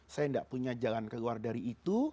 saya tidak punya jalan keluar dari itu